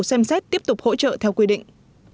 xem xét tiếp tục hỗ trợ theo quy định